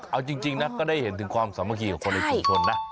เอาจริงจริงนะก็ได้เห็นถึงความสามารถกับคนอื่นทุกคนนะ